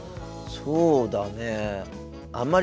そうだね。